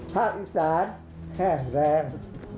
ภาคอีสานแห้งแรง